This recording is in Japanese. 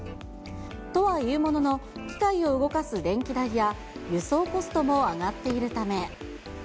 とはいうものの、機械を動かす電気代や輸送コストも上がっているため。